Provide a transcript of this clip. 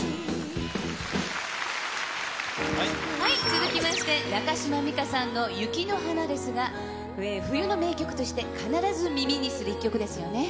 続きまして、中島美嘉さんの雪の華ですが、これは冬の名曲として必ず耳にする一曲ですよね。